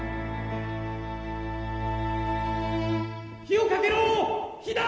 ・火をかけろ！